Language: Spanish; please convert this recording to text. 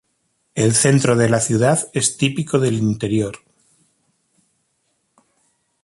El centro de la ciudad es típico del interior.